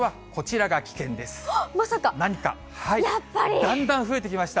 だんだん増えてきました。